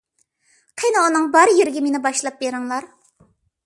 قېنى، ئۇنىڭ بار يېرىگە مېنى باشلاپ بېرىڭلار!